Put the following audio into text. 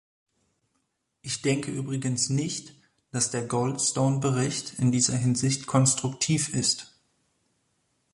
Ich denke übrigens nicht, dass der Goldstone-Bericht in dieser Hinsicht konstruktiv ist.